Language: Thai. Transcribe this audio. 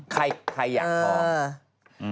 ใครอยากท้อง